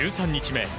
１３日目。